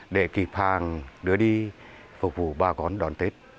để kịp hàng đưa đi phục vụ bà con đón tết